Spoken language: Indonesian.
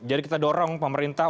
jadi kita dorong pemerintah